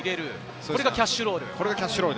これがキャッシュロール。